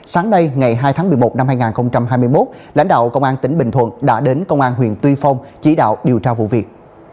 sáng nay ngày hai tháng một mươi một năm hai nghìn hai mươi một lãnh đạo công an tỉnh bình thuận đã đến công an huyện tuy phong chỉ đạo điều tra vụ việc